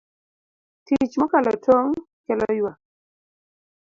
Tich mokalo tong' kelo ywak.